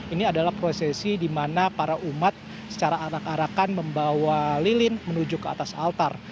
ini adalah prosesi di mana para umat secara arak arakan membawa lilin menuju ke atas altar